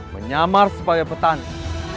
menyamar sebagai petani